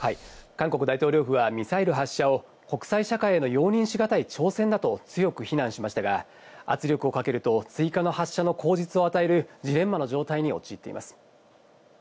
韓国大統領府はミサイル発射を国際社会への容認しがたい挑戦だと強く非難しましたが、圧力をかけると追加の発射の口実を与えるジレンマの状態に陥っています。